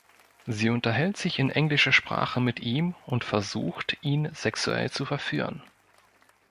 Sie unterhält sich in englischer Sprache mit ihm und versucht, ihn sexuell zu verführen.